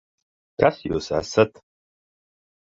Kas Jūs esat?